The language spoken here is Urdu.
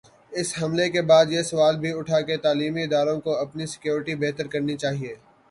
اس حملے کے بعد یہ سوال بھی اٹھا کہ تعلیمی اداروں کو اپنی سکیورٹی بہتر کرنی چاہیے۔